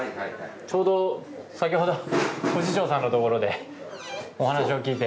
ちょうど先ほど藤長さんの所でお話を聞いて。